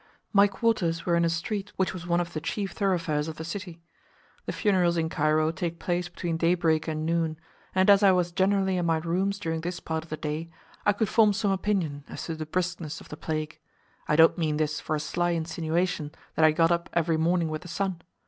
My quarters were in a street which was one of the chief thoroughfares of the city. The funerals in Cairo take place between daybreak and noon, and as I was generally in my rooms during this part of the day, I could form some opinion as to the briskness of the plague. I don't mean this for a sly insinuation that I got up every morning with the sun.